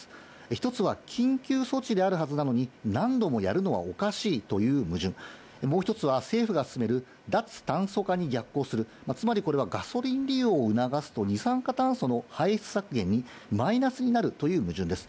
１つは緊急措置であるはずなのに、何度もやるのはおかしいという矛盾、もう１つは、政府が進める脱炭素化に逆行する、つまりこれは、ガソリン利用を促すと二酸化炭素の排出削減にマイナスになるという矛盾です。